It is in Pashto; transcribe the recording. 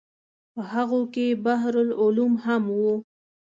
په هغو کې بحر العلوم هم و.